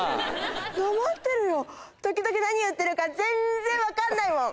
なまってるよ時々何言ってるか全然わかんないもん